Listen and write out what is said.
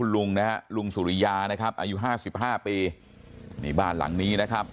ลุงสุริยานะครับอายุ๕๕ปี